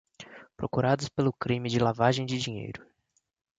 Procurados pelo crime de lavagem de dinheiro